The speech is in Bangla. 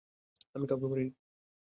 আমি কাউকে মারিনি।